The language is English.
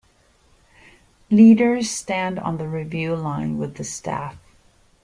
Leaders stand on the review line with the staff.